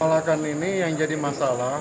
pelakan ini yang jadi masalah